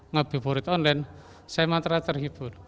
ngabuburit online saya matra terhibur